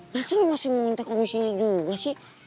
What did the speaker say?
masa lo masih mau minta komisinya juga sih